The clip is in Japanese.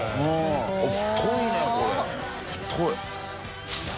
太いねこれ太い。